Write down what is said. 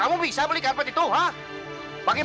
harusnya avete yang bertempat lagi